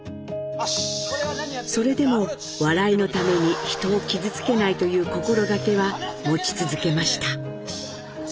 それでも笑いのために人を傷つけないという心掛けは持ち続けました。